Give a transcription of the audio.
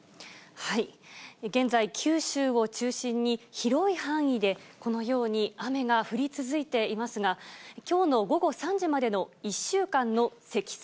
現在、九州を中心に広い範囲でこのように雨が降り続いていますが、きょうの午後３時までの１週間の積算